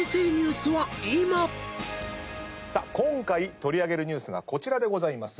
今回取り上げるニュースがこちらでございます。